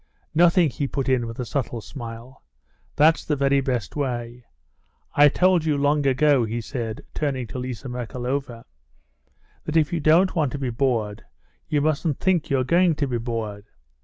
"'Nothing,'" he put in with a subtle smile, "that's the very best way. I told you long ago," he said, turning to Liza Merkalova, "that if you don't want to be bored, you mustn't think you're going to be bored.